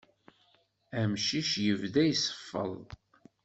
Amcic yebda iseffeḍ.